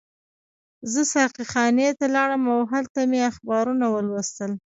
زه ساقي خانې ته لاړم او هلته مې اخبارونه ولوستل.